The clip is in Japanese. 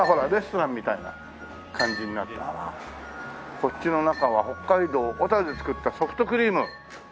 こっちの中は「北海道小で作ったソフトクリーム」。